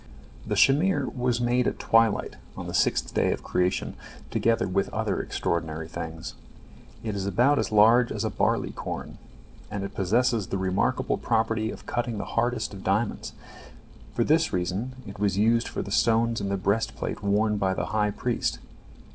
The shamir was made at twilight on the sixth day of creation together with other extraordinary things. It is about as large as a barley corn, and it possesses the remarkable property of cutting the hardest of diamonds. For this reason it was used for the stones in the breastplate worn by the high priest.